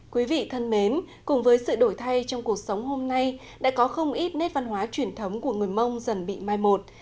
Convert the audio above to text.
quý vị thân mến cùng với sự đổi thay trong cuộc sống hôm nay đã có không ít nét văn hóa truyền thống của người mông dần bị mai một